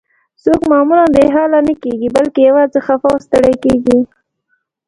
څوک معمولاً بې حاله نه کیږي، بلکې یوازې خفه او ستړي کیږي.